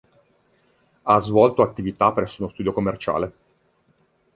Ha svolto attività presso uno studio commerciale.